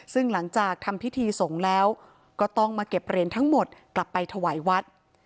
ซึ่งหลังจากทำพิธีสงฆ์แล้วก็ต้องมาเก็บเหรียญทั้งหมดกลับไปถวายวัด